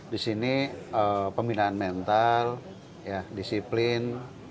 di sini pembinaan mental disiplin